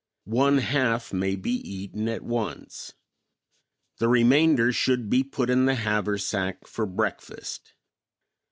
One half may be eaten at once; the remainder should be put in the haversack for breakfast.